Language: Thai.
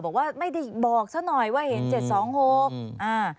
บอกว่าไม่ได้บอกเฉินหน่อยว่าเห็น๗๒๖อ่า